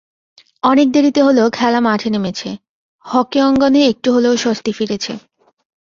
অনেক দেরিতে হলেও খেলা মাঠে নেমেছে, হকি অঙ্গনে একটু হলেও স্বস্তি ফিরেছে।